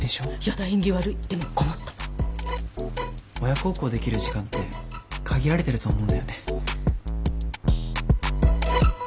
親孝行できる時間って限られてると思うんだよね。